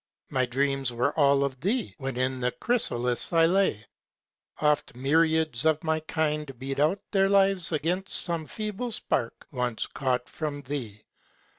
My dreams were all of thee when in the chrysalis I lay. Oft myriads of my kind beat out their lives Against some feeble spark once caught from thee.